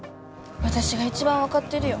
私が一番分かってるよ